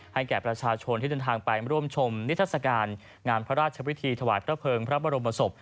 แก่ประชาชนที่เดินทางไปร่วมชมนิทัศกาลงานพระราชวิธีถวายพระเภิงพระบรมศพ